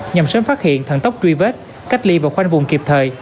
nhằm sớm phát hiện thẳng tốc truy vết cách ly vào khoanh vùng kịp thời